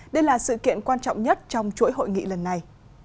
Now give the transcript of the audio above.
đây là sự kiện quan trọng nhất trong chuỗi hội nghị lần này